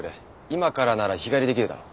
今からなら日帰りできるだろ。